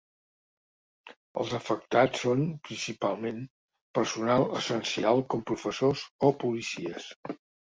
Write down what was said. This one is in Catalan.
Els afectats són, principalment, personal essencial com professors o policies.